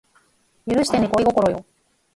許してね恋心よ